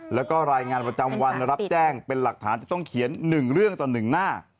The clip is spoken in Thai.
และรายงานประจำวันรับแจ้งเป็นหลักฐานที่ต้องเขียนหนึ่งเรื่องต่อหนึ่งหน้า